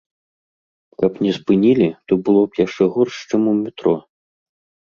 Каб не спынілі, то было б яшчэ горш, чым у метро.